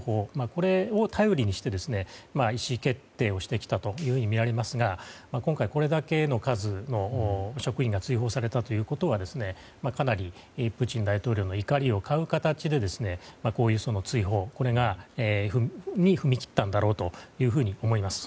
これを頼りにして意思決定をしてきたとみられますが今回、これだけの数の職員が追放されたということはかなりプーチン大統領の怒りを買う形でこういう追放に踏み切ったんだろうと思います。